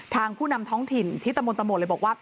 ผู้นำท้องถิ่นที่ตะมนตะหมดเลยบอกว่า